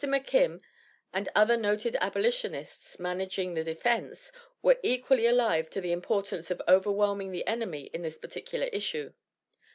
McKim and other noted abolitionists managing the defense, were equally alive to the importance of overwhelming the enemy in this particular issue.